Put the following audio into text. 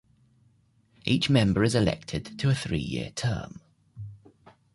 Each member is elected to a three-year term.